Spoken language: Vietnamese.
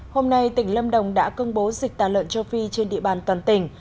hôm nay tỉnh lâm đồng đã công bố dịch tả lợn châu phi trên địa bàn toàn tỉnh